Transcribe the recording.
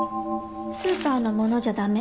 スーパーのものじゃ駄目。